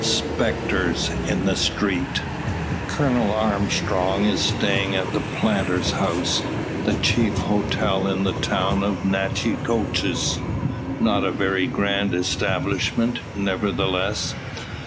SPECTRES IN THE STREET. Colonel Armstrong is staying at the "Planters' House," the chief hotel in the town of Natchitoches. Not a very grand establishment, nevertheless.